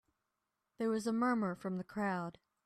There was a murmur from the crowd.